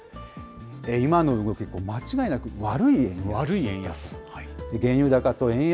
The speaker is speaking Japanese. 今の動き、間違いなく悪い円安。